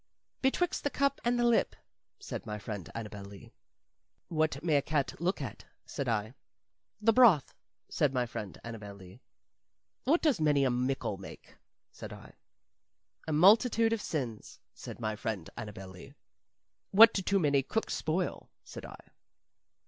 "Betwixt the cup and the lip," said my friend Annabel Lee. "What may a cat look at?" said I. "The broth," said my friend Annabel Lee. "What does many a mickle make?" said I. "A multitude of sins," said my friend Annabel Lee. "What do too many cooks spoil?" said I.